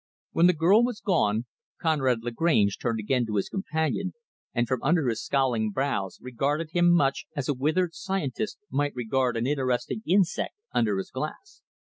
When the girl was gone, Conrad Lagrange turned again to his companion, and from under his scowling brows regarded him much as a withered scientist might regard an interesting insect under his glass.